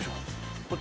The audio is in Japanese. こっち？